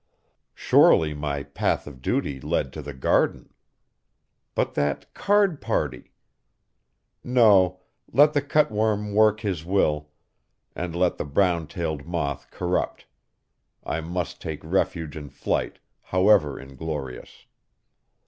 Surely my path of duty led to the garden. But that card party? No, let the cutworm work his will, and let the brown tailed moth corrupt; I must take refuge in flight, however inglorious.